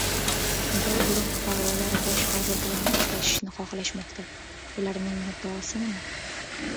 Bir guruh fuqarolar Bosh vazir bilan uchrashishni xohlashmoqda. Ularning muddaosi nima?